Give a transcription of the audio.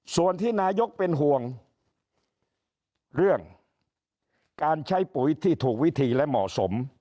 ส่วนที่นายกเป็นห่วงเรื่องการใช้ปุ๋ยที่ถูกวิธีและเหมาะสม